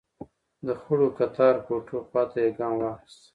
د خړو کتار کوټو خواته يې ګام واخيست.